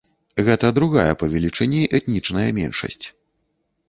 Гэта другая па велічыні этнічная меншасць.